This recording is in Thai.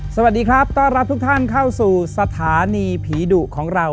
สวัสดีครับต้อนรับทุกท่านเข้าสู่สถานีผีดุของเรา